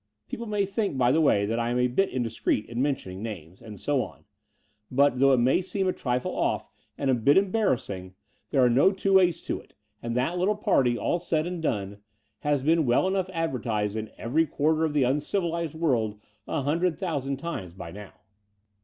People may think, by the way, that I am a bit indiscreet in mention ing names, and so on; but, though it may seem a trifle off and a bit embarrassing, there are no two 24 The Door of the Unreal ways to it, and that little party, all said and done, has been well enough advertised in every quarter of the uncivilized world a htmdred thousand times by now.